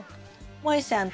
もえさん